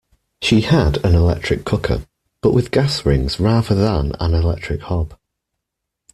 She had an electric cooker, but with gas rings rather than an electric hob